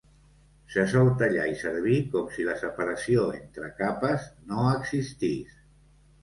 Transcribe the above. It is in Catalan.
Se sol tallar i servir com si la separació entre capes no existís.